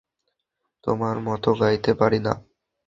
তোমার মত গাইতে পারি না।